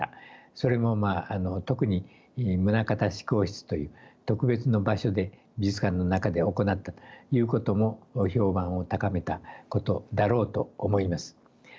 それも特に棟方志功室という特別の場所で美術館の中で行ったということも評判を高めたことだろうと思います。